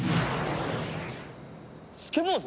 スケボーズ？